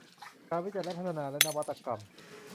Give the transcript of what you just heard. การวิจัยและพัฒนาและนวัตกรรม